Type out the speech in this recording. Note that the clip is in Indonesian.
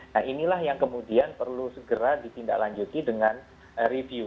nah inilah yang kemudian perlu segera ditindaklanjuti dengan review